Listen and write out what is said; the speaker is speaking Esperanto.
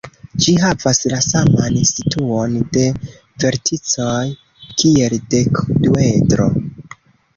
Ĝi havas la saman situon de verticoj kiel dekduedro.